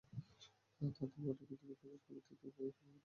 তাতো বটেই কিন্তু তুমি প্রকাশককে তৃতীয় বইয়ের ব্যাপারে কথা দিয়েছিলে?